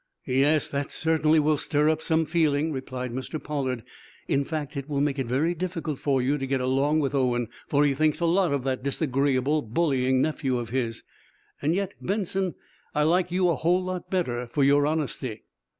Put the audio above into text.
"Yes, that certainly will stir up some feeling," replied Mr. Pollard. "In fact, it will make it very difficult for you to get along with Owen, for he thinks a lot of that disagreeable, bullying nephew of his. Yet, Benson, I like you a whole lot better for your honesty."